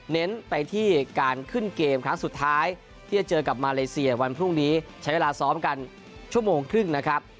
เน้นไปที่การขึ้นเกมครั้งสุดท้ายที่จะเจอกับมาเลเซียวันพรุ่งนี้ใช้เวลาซ้อมกันชั่วโมงครึ่งนะครับ